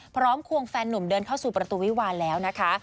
ควงแฟนนุ่มเดินเข้าสู่ประตูวิวาลแล้วนะคะ